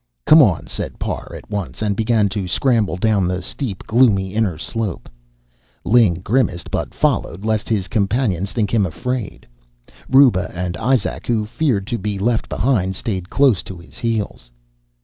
"Come on," said Parr at once, and began to scramble down the steep, gloomy inner slope. Ling grimaced, but followed lest his companions think him afraid. Ruba and Izak, who feared to be left behind, stayed close to his heels.